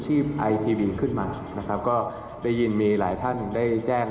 ไอทีวีขึ้นมานะครับก็ได้ยินมีหลายท่านได้แจ้ง